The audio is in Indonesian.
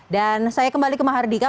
dan saya kembali ke maha hardika